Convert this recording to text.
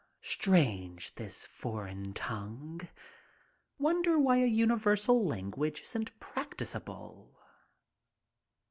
Strange, this foreign tongue. Wonder why a universal language isn't practicable